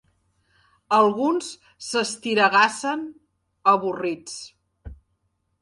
Alguns s'estiregassen, avorrits.